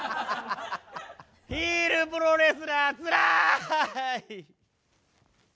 ヒールプロレスラーつらい！